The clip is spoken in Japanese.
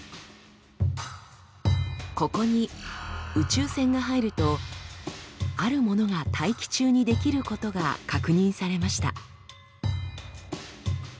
ここに宇宙線が入るとあるものが大気中に出来ることが確認されました。